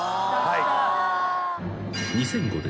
［２００５年。